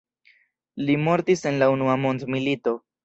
Li mortis en la Unua mondmilito.